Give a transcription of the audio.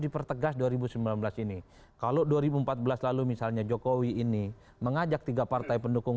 dipertegas dua ribu sembilan belas ini kalau dua ribu empat belas lalu misalnya jokowi ini mengajak tiga partai pendukung